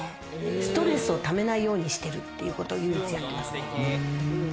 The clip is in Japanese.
ストレスを溜めないようにしてるっていうのは唯一やってますね。